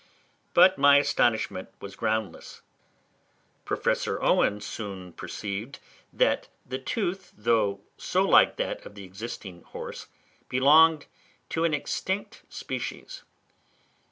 But my astonishment was groundless. Professor Owen soon perceived that the tooth, though so like that of the existing horse, belonged to an extinct species.